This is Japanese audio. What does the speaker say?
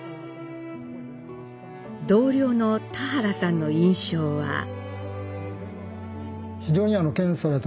同僚の田原さんの印象は。